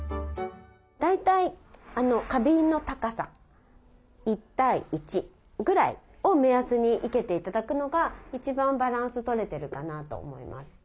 大体花瓶の高さ１対１ぐらいを目安に生けて頂くのが一番バランスとれてるかなと思います。